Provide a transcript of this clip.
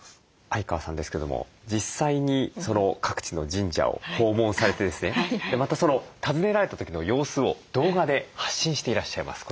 相川さんですけども実際に各地の神社を訪問されてですねまた訪ねられた時の様子を動画で発信していらっしゃいます。